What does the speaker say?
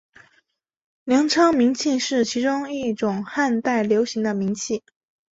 粮仓明器是其中一种汉代流行的明器。